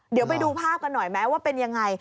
เดี๋ยวไปดูภาพกันหน่อยไหมว่าเป็นยังไง